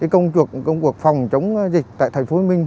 công cuộc phòng chống dịch tại tp hcm